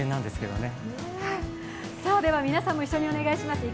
では皆さん一緒にお願いします。